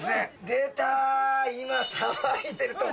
出た今さばいてるとこ。